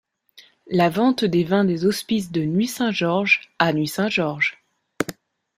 La vente des vins des hospices de Nuits-Saint-Georges à Nuits-Saint-Georges.